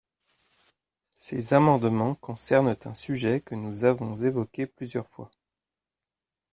Ces amendements concernent un sujet que nous avons évoqué plusieurs fois.